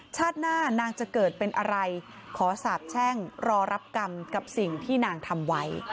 ชาติหน้านางจะเกิดเป็นอะไรขอสาบแช่งรอรับกรรมกับสิ่งที่นางทำไว้